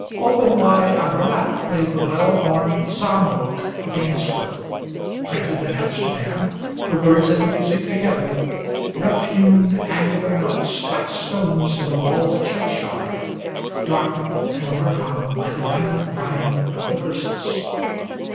Open wide on her lap lay the well worn psalm book of Ainsworth, Printed in Amsterdam, the words and the music together, Rough hewn, angular notes, like stones in the wall of a churchyard, Darkened and overhung by the running vine of the verses.